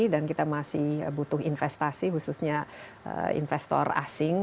dan kita masih butuh investasi khususnya investor asing